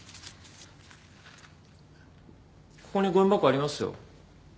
ここにごみ箱ありますよ。